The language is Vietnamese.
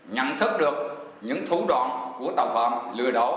nhận thức được những thủ đoạn của tàu phạm lừa đảo